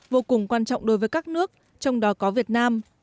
vô cùng quan trọng đối với các nước trong đó có việt nam